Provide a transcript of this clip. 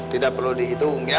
tidak perlu dihitung ya